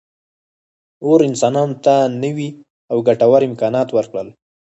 اور انسانانو ته نوي او ګټور امکانات ورکړل.